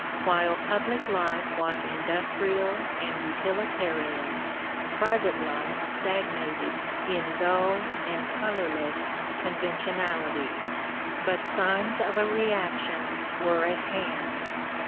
While public life was industrial and utihtarian, private life stagnated in dull and colourless conventionality. But signs of a reaction were at hand.